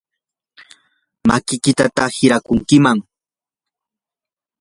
makiykitataq hirakunkiman.